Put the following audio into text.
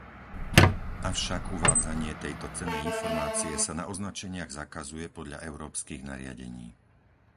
Avšak uvádzanie tejto cennej informácie sa na označeniach zakazuje podľa európskych nariadení.